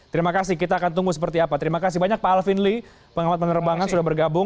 terima kasih kita akan tunggu seperti apa terima kasih banyak pak alvin lee pengamat penerbangan sudah bergabung